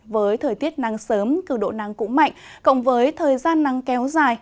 với thời tiết nắng sớm cường độ nắng cũng mạnh cộng với thời gian nắng kéo dài